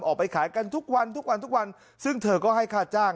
ออกไปขายกันทุกวันซึ่งเธอก็ให้ค่าจ้าง